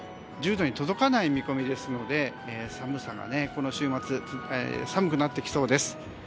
１０度に届かない見込みですのでこの週末、寒くなってきそうです。